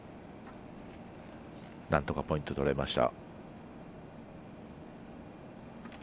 なんとかポイント取れました。